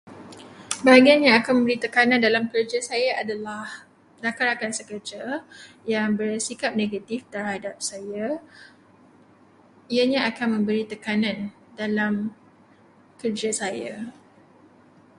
Bahagian yang akan memberi tekanan dalam kerja saya adalah rakan-rakan sekerja yang bersikap negatif terhadap saya. Ianya akan memberi tekanan dalam kerja saya.